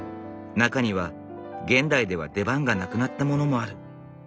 中には現代では出番がなくなったものもある。